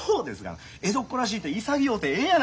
江戸っ子らしいて潔うてええやないですか。